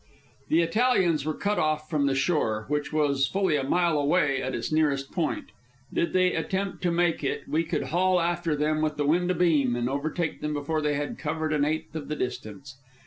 The Italians were cut off from the shore, which was fully a mile away at its nearest point. Did they attempt to make it, we could haul after them with the wind abeam, and overtake them before they had covered an eighth of the distance.